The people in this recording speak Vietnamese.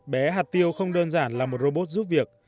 bé hạt tiêu không đơn giản là một robot giúp việc